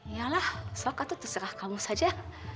yalah sokak tuh terserah kamu saja